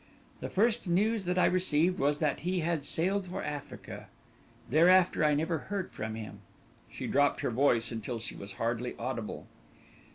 The first news that I received was that he had sailed for Africa; thereafter I never heard from him." She dropped her voice until she was hardly audible.